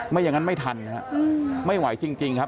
อย่างนั้นไม่ทันฮะไม่ไหวจริงครับ